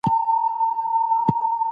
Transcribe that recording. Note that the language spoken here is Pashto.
د ژورې ساه اخیستل اراموي.